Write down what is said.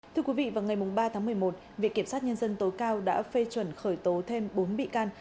thưa quý vị vào ngày ba tháng một mươi một viện kiểm sát nhân dân tối cao đã phê chuẩn khởi tố thêm bốn bị can